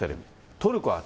トルコ発。